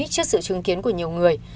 trước sự chứng kiến của nhiều người